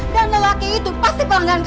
dan laki laki itu pasti pelanggan itu